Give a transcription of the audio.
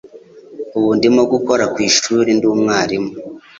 Ubu ndimo gukora ku ishuri ndi umwarimu.